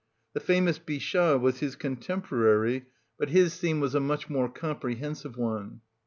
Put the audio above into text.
The famous Bichat was his contemporary, but his theme was a much more comprehensive one.